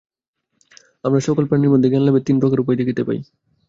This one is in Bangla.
আমরা সকল প্রাণীর মধ্যেই জ্ঞানলাভের তিন প্রকার উপায় দেখিতে পাই।